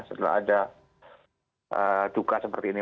setelah ada duka seperti ini